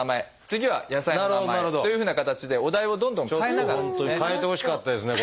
次は野菜の名前というふうな形でお題をどんどん変えながらですね。